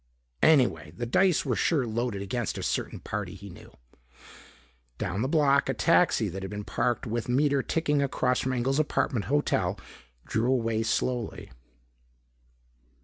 Anyway, the dice were sure loaded against a certain party he knew. Down the block, a taxi that had been parked with meter ticking across from Engel's apartment hotel drew away slowly.